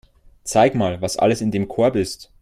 Zeig mal, was alles in dem Korb ist.